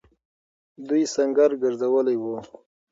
دوی سنګر گرځولی وو.